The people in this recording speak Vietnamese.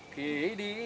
khi đi ra đảo cát bàn